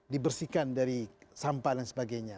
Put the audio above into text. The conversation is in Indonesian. dibersihkan dari sampah dan sebagainya